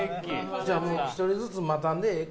じゃあもう１人ずつ待たんでいいか。